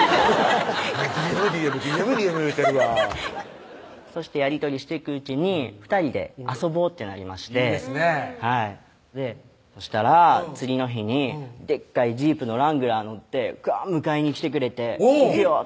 ＤＭＤＭＤＭＤＭ言うてるわハハハッそしてやり取りしてくうちに２人で遊ぼうってなりましていいですねぇはいそしたら次の日にでっかいジープの「ラングラー」乗って迎えに来てくれておぉ！